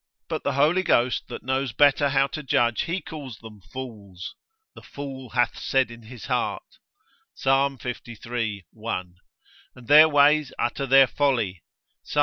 But the Holy Ghost that knows better how to judge, he calls them fools. The fool hath said in his heart, Psal. liii. 1. And their ways utter their folly, Psal.